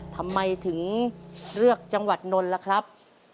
ทำไมถึงเลือกจังหวัดนนท์ล่ะครับ